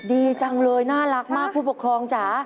ดีจังเลยน่ารักมากผู้ปกครองจ๋า